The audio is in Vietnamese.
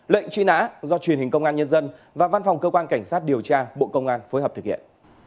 lệnh truy nã do truyền hình công an nhân dân và văn phòng cơ quan cảnh sát điều tra bộ công an phối hợp thực hiện